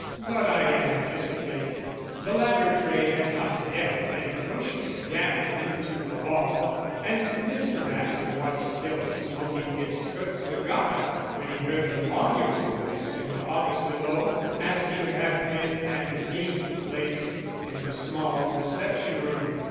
But I anticipate. The latter tray had not yet been pushed again into the hall, and Mr. Ransom was still smoking his first cigar when he heard the lawyer's voice in the office below asking to have pen and ink placed in the small reception room.